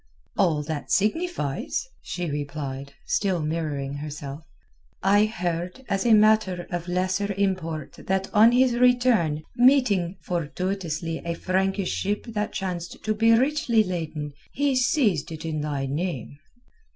"All that signifies," she replied, still mirroring herself. "I heard as a matter of lesser import that on his return, meeting fortuitously a Frankish ship that chanced to be richly laden, he seized it in thy name."